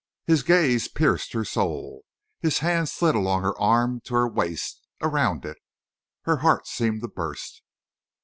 His gaze pierced her soul. His hand slid along her arm to her waist—around it. Her heart seemed to burst.